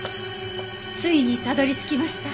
ついにたどり着きました。